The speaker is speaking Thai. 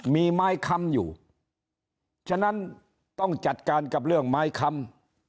มีไม้ค้ำอยู่ฉะนั้นต้องจัดการกับเรื่องไม้คำ